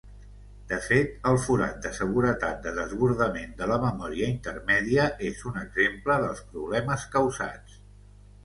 De fet, el forat de seguretat de desbordament de la memòria intermèdia és un exemple dels problemes causats.